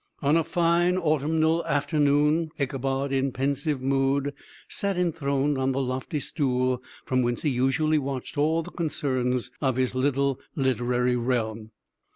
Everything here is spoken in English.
On a fine autumnal afternoon, Ichabod, in pensive mood, sat enthroned on the lofty stool from whence he usually watched all the concerns of his little literary realm.